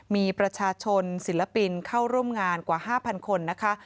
มีประชาชนศิลปินเข้าร่วมงานกว่า๕๐๐คนนะคะ